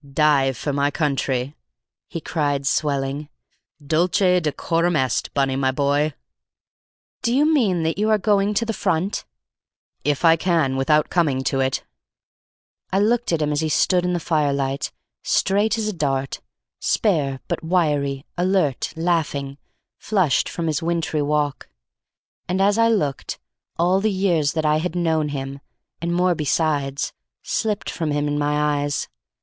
"Dye for my country," he cried, swelling. "Dulce et decorum est, Bunny, my boy!" "Do you mean that you are going to the front?" "If I can without coming to it." I looked at him as he stood in the firelight, straight as a dart, spare but wiry, alert, laughing, flushed from his wintry walk; and as I looked, all the years that I had known him, and more besides, slipped from him in my eyes.